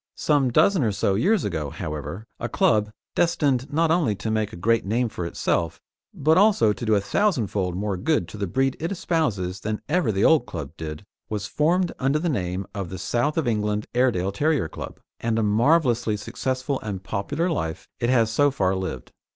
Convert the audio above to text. Some dozen or so years ago, however, a club, destined not only to make a great name for itself, but also to do a thousandfold more good to the breed it espouses than ever the old club did, was formed under the name of the South of England Airedale Terrier Club, and a marvellously successful and popular life it has so far lived.